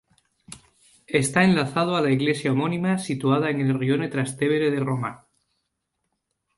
Está enlazado a la iglesia homónima situada en el rione Trastevere de Roma.